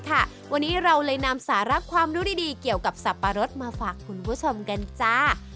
วันนี้เราเลยนำสาระความรู้ดีเกี่ยวกับสับปะรดมาฝากคุณผู้ชมกันจ้า